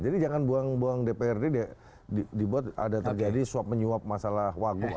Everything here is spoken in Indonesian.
jadi jangan buang buang dprd dibuat ada terjadi suap menyuap masalah waguk